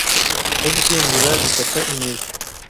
ko gushyingura bifata imizi